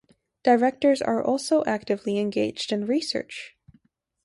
Directors are also actively engaged in research.